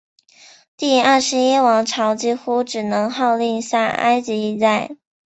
第二十一王朝几乎只能号令下埃及一带。